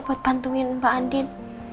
buat bantuin mbak andin